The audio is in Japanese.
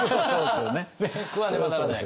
食わねばならない。